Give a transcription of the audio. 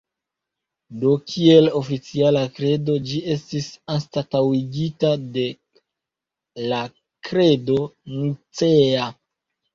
Do kiel oficiala kredo, ĝi estis anstataŭigita de la Kredo Nicea.